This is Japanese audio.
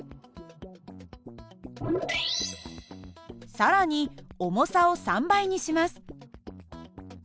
更に重さを３倍にします。